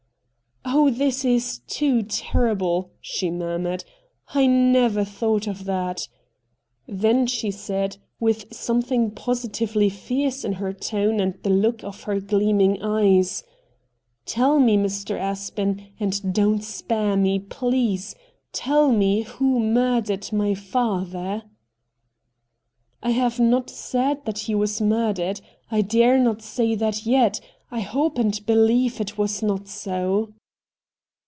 ' Oh, this is too terrible,' she murmured. THE CULTURE COLLEGE 189 ^ I never thought of that !' Then she said, with something positively fierce in her tone and the look of her gleaming eyes :' Tell me, Mr. Aspen, and don't spare me, please — tell me who murdered my father.' * I have not said that he was murdered — I dare not say that yet — I hope and believe it was not so.'